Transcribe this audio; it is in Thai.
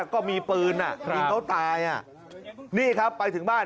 ก็มีปืนยิงเขาตายอ่ะนี่ครับไปถึงบ้าน